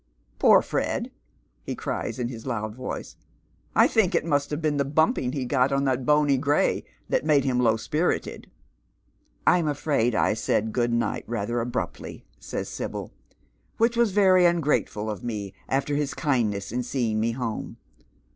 ^" Poor Fred," he cries in his loud voice, " I think it must have been the brnnping he got on that bony gray that made him low epirited." " I'm afraid I said good night rather abruptly," says Sibyl, " which was very ungrateful of me after his kindness in seeing me home.